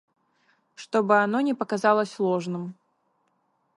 чтобы оно не показалось ложным.